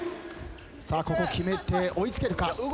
さあここ決めて追い付けるか？